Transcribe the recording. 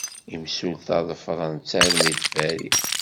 Imsulta ḍefren-tt armi d Paris.